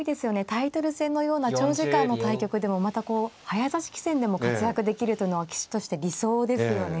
タイトル戦のような長時間の対局でもまたこう早指し棋戦でも活躍できるというのは棋士として理想ですよね。